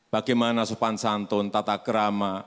bagaimana sopan santun tata kerama